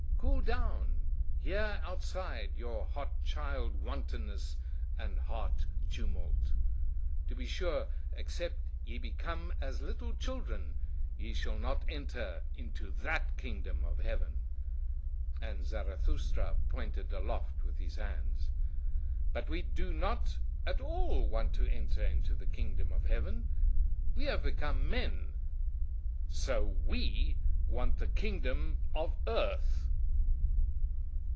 Cool down, here outside, your hot child wantonness and heart tumult! To be sure: except ye become as little children ye shall not enter into THAT kingdom of heaven." (And Zarathustra pointed aloft with his hands.) "But we do not at all want to enter into the kingdom of heaven: we have become men, SO WE WANT THE KINGDOM OF EARTH."